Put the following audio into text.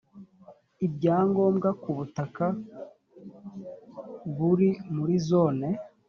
ibya ngombwa ku butaka buri muri zone